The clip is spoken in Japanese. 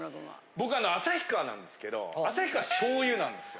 僕旭川なんですけど旭川醤油なんですよ。